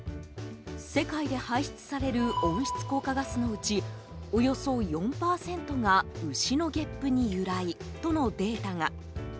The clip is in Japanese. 世界で排出される温室効果ガスのうちおよそ４％が牛のげっぷに由来とのデータが。